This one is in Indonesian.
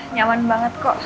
nyaman banget kok